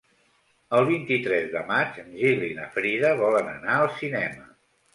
El vint-i-tres de maig en Gil i na Frida volen anar al cinema.